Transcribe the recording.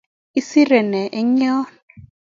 Isire ne eng' yo?